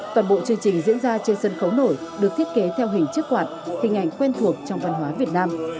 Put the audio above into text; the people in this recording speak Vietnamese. toàn bộ chương trình diễn ra trên sân khấu nổi được thiết kế theo hình chiếc quạt hình ảnh quen thuộc trong văn hóa việt nam